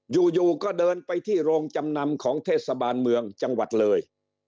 อยู่ก็เดินไปที่โรงจำนำของเทศบาลเมืองจังหวัดเลย